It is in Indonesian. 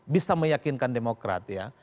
bisa meyakinkan demokraat ya